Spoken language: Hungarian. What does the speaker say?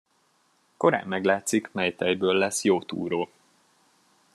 Korán meglátszik, mely tejből lesz jó túró.